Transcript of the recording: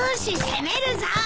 攻めるぞ！